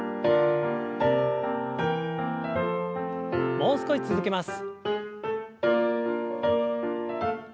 もう少し続けます。